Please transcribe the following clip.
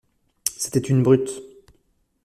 C’était une brute.